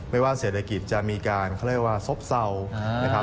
ว่าเศรษฐกิจจะมีการเขาเรียกว่าซบเศร้านะครับ